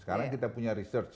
sekarang kita punya research